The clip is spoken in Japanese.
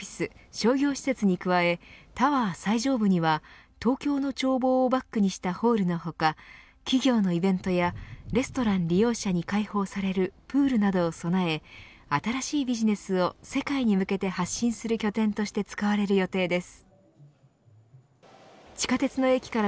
商業施設に加えタワー最上部には東京の眺望をバックにホールの他企業のイベントやレストラン利用者に解放されるプールなどを備え新しいビジネスを世界に向けて発信する拠点として使われる予定です。